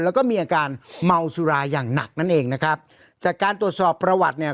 แล้วก็มีอาการเมาสุราอย่างหนักนั่นเองนะครับจากการตรวจสอบประวัติเนี่ย